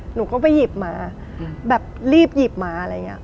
หนูก็ไปหยิบมาแบบรีบหยิบมาอะไรอย่างนี้